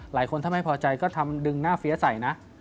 หลายคนถ้าไม่พอใจก็ทำดึงหน้าเฟี้ยใส่นะ